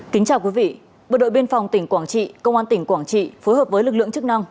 kính chào quý vị bộ đội biên phòng tỉnh quảng trị công an tỉnh quảng trị phối hợp với lực lượng chức năng